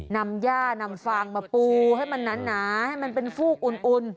นำย่านำฟางมาปูให้มันหนาให้มันเป็นฟูกอุ่น